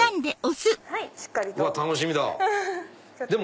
うわ楽しみだ！